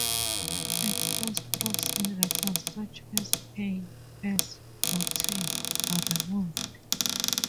Extra strokes in letters such as a, s, or t, are removed.